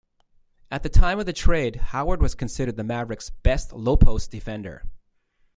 At the time of the trade, Howard was considered the Mavericks' best low-post defender.